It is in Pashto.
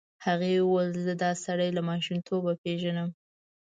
هغې وویل زه دا سړی له ماشومتوبه پېژنم.